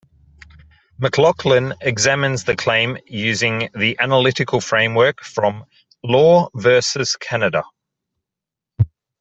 McLachlin examines the claim using the analytical framework from "Law versus Canada".